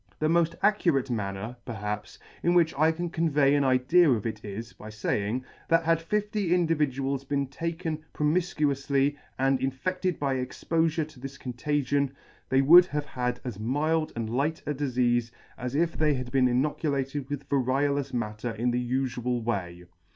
The moft accurate man H ner. C 50 1 ner, perhaps, in which I can convey an idea of it is, by faying, that had fifty individuals been taken promifcuoufly and infeCted by expofure to this contagion, they would have had as mild and light a difeafe as if they had been inoculated with variolous matter in the ufual way.